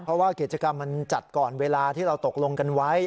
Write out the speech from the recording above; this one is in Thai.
เพราะว่ากิจกรรมมันจัดก่อนเวลาที่เราตกลงกันไว้